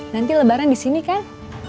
nanti lebaran di sini kan